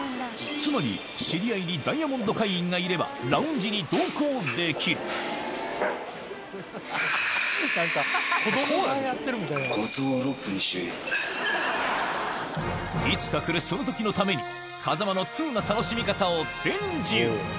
つまり知り合いにダイヤモンド会員がいればラウンジに同行できるいつか来るその時のために風間の通な楽しみ方を伝授